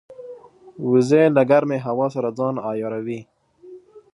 وزې له ګرمې هوا سره ځان عیاروي